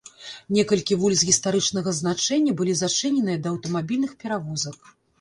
Некалькі вуліц гістарычнага значэння былі зачыненыя да аўтамабільных перавозак.